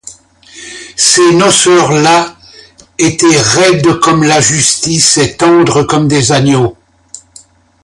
Ces noceurs-là étaient raides comme la justice et tendres comme des agneaux.